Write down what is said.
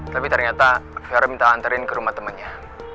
tapi ternyata vera minta anterin ke rumah temannya